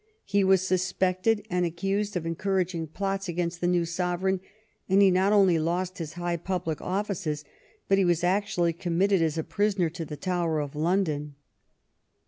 He was suspected and accused of encouraging plots against the new sovereign, and he not only lost his high public offices, but was actually committed as a prisoner to the Tower of London.